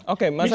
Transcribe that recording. oke mas hadi